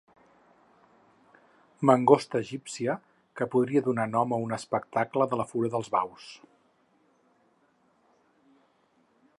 Mangosta egípcia que podria donar nom a un espectacle de la Fura dels Baus.